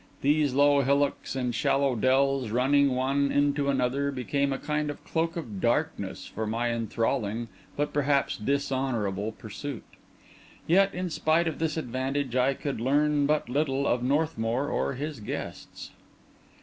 These low hillocks and shallow dells, running one into another, became a kind of cloak of darkness for my enthralling, but perhaps dishonourable, pursuit. Yet, in spite of this advantage, I could learn but little of Northmour or his guests.